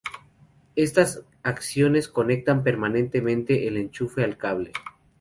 Estas acciones conectan permanentemente el enchufe al cable.